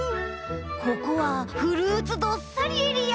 ここはフルーツどっさりエリア。